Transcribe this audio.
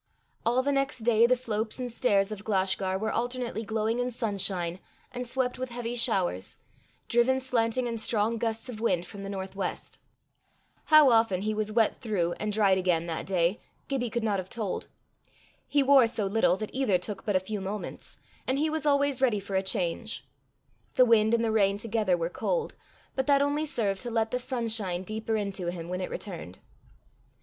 All the next day the slopes and stairs of Glashgar were alternately glowing in sunshine, and swept with heavy showers, driven slanting in strong gusts of wind from the northwest. How often he was wet through and dried again that day, Gibbie could not have told. He wore so little that either took but a few moments, and he was always ready for a change. The wind and the rain together were cold, but that only served to let the sunshine deeper into him when it returned.